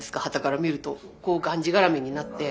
こうがんじがらめになって。